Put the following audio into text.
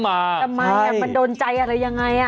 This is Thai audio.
ทำไมมันโดนใจอะไรยังไงอะ